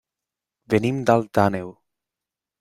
Venim d'Alt Àneu.